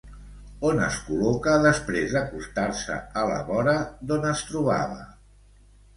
On es col·loca després d'acostar-se a la vora d'on es trobava?